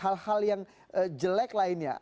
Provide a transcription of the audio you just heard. hal hal yang jelek lainnya